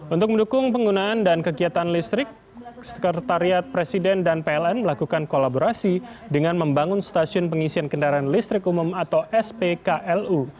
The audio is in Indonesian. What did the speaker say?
untuk mendukung penggunaan dan kegiatan listrik sekretariat presiden dan pln melakukan kolaborasi dengan membangun stasiun pengisian kendaraan listrik umum atau spklu